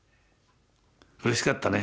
うれしかったね